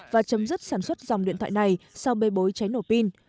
và chấm dứt sản xuất dòng điện thoại này sau bê bối cháy nổ pin